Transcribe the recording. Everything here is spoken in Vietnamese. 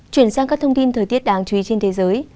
chuyển sang các thông tin thời tiết đáng chú ý trên thế giới